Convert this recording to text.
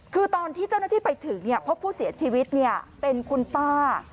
คือตอนที่เจ้าหน้าที่ไปถึงพบผู้เสียชีวิตเป็นคุณป้า